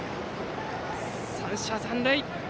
三者残塁。